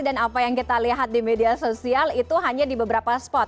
apa yang kita lihat di media sosial itu hanya di beberapa spot